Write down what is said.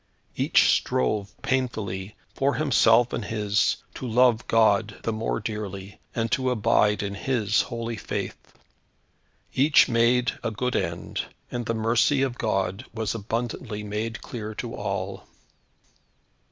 Each strove painfully, for himself and his, to love God the more dearly, and to abide in His holy faith. Each made a good end, and the mercy of God was abundantly made clear to all.